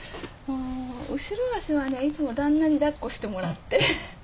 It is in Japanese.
後ろ足はねいつも旦那にだっこしてもらって。